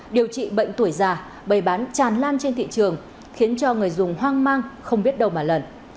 điều trị bệnh tuổi già bày bán tràn lan trên thị trường khiến cho người dùng hoang mang không biết đâu mà lần